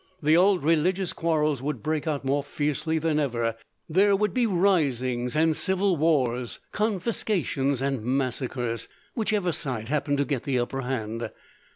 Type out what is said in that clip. The old religious quarrels would break out more fiercely than ever, there would be risings and civil wars, confiscations and massacres, whichever side happened to get the upper hand.